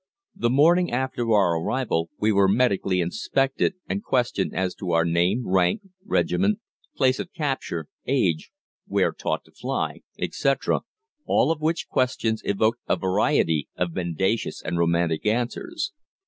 The morning after our arrival, we were medically inspected and questioned as to our name, rank, regiment, place of capture, age, where taught to fly, etc., all of which questions evoked a variety of mendacious and romantic answers.